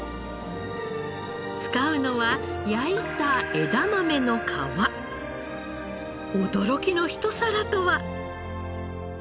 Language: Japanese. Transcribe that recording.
使うのは焼いた驚きのひと皿とは？